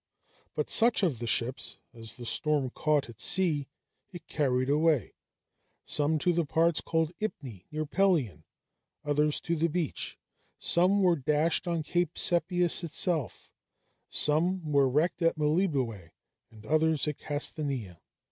But such of the ships as the storm caught at sea it carried away, some to the parts called Ipni, near Pelion, others to the beach; some were dashed on Cape Sepias itself; some were wrecked at Meliboea, and others at Casthanæa.